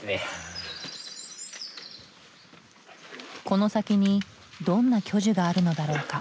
この先にどんな巨樹があるのだろうか？